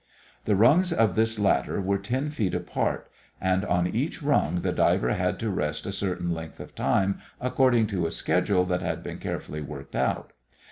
The rungs of this ladder were 10 feet apart, and on each rung the diver had to rest a certain length of time, according to a schedule that had been carefully worked out.